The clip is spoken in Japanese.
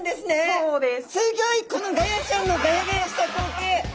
そうです。